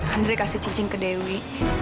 andre kasih cincin ke dewi